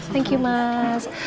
thank you mas